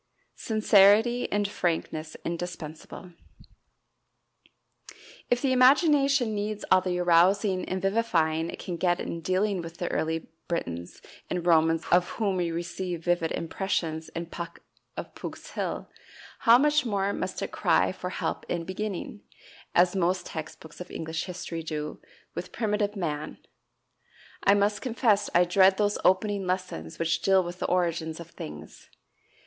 Sincerity and Frankness Indispensable. If the imagination needs all the arousing and vivifying it can get in dealing with the early Britons and Romans of whom we receive vivid impressions in "Puck of Pook's Hill," how much more must it cry for help in beginning, as most text books of English history do, with primitive man! I must confess I dread those opening lessons which deal with the origins of things.